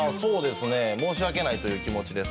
申し訳ないという気持ちです。